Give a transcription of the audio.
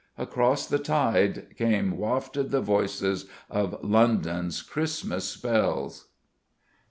Across the tide came wafted the voices of London's Christmas bells.